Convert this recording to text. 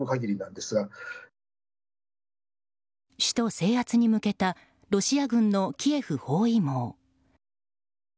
首都制圧に向けたロシア軍のキエフ包囲網。